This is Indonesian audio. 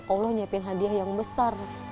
allah nyiapin hadiah yang besar